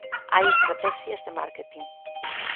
Hai estratexias de márketing.